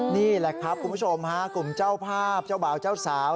นี่แหละครับคุณผู้ชมฮะกลุ่มเจ้าภาพเจ้าบ่าวเจ้าสาว